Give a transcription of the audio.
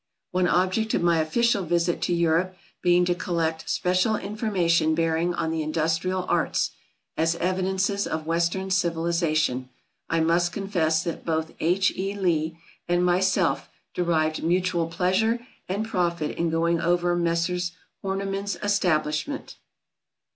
One object of my official visit to Europe being to collect special information bearing on the Industrial Arts, as evidences of Western civilisation, I must confess that both H. E. Li and myself derived mutual pleasure and profit in going over Messrs. Horniman's Establishment.